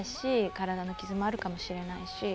体の傷もあるかもしれないし。